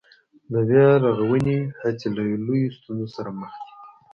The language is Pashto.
د بيا رغونې هڅې له لویو ستونزو سره مخ دي